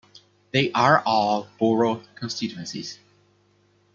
They are all Borough constituencies.